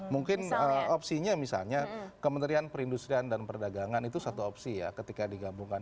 mungkin opsinya misalnya kementerian perindustrian dan perdagangan itu satu opsi ya ketika digabungkan